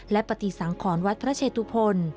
และปฏิสังขรวัดพระเชตุพล